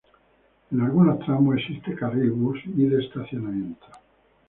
En algunos tramos existe carril bus y de estacionamiento.